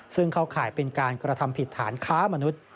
ซึ่งเข้าข่ายเป็นการกระทำผิดฐานค้ามนุษย์